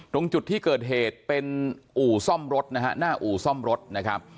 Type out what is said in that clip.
ตรงจุดที่เกิดเหตุเป็นอู่ซ่อมรถนะฮะหน้าอู่ซ่อมรถนะครับ